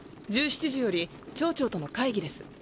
１７時より町長との会ぎです。